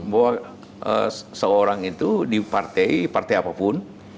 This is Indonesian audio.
bahwa seorang itu di partai partai apapun